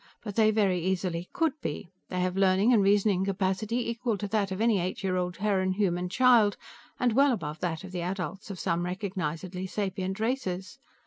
But they very easily could be. They have learning and reasoning capacity equal to that of any eight year old Terran Human child, and well above that of the adults of some recognizedly sapient races.